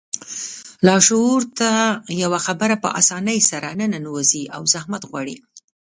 لاشعور ته يوه خبره په آسانۍ سره نه ننوځي او زحمت غواړي.